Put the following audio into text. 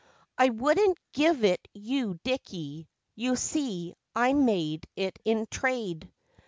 I wouldn't give it you, Dickie you see, I made it in trade.